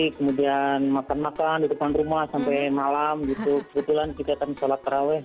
kemudian makan makan di depan rumah sampai malam gitu kebetulan kita akan sholat terawih